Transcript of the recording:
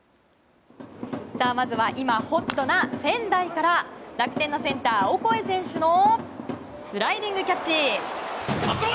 まずは今ホットな仙台から楽天のセンターオコエ選手のスライディングキャッチ！